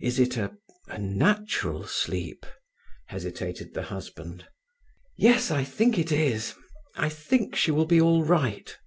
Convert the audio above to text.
"Is it a—a natural sleep?" hesitated the husband. "Yes. I think it is. I think she will be all right."